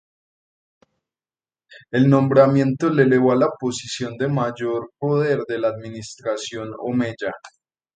El nombramiento le elevó a la posición de mayor poder de la Administración omeya.